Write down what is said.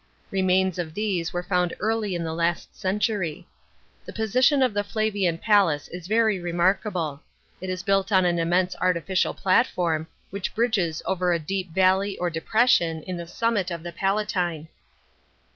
Remains of these were found early in the last century. The position of the Flavian palace is very remarkable : it is built on an immense artificial platform, which bridges over a deep valley or depression in the summit of the Palatine."